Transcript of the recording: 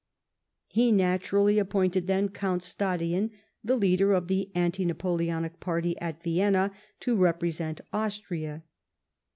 He naturally appointed, then, Count Stadlon, the leader of the anti Napoleonic party at Vienna, to represent Austria.